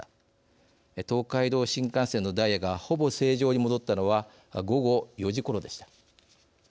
東海道新幹線のダイヤがほぼ正常に戻ったのは午後４時ころでした。